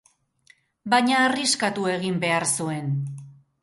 Baina arriskatu egin behar zuen.